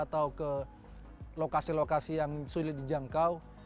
atau ke lokasi lokasi yang sulit dijangkau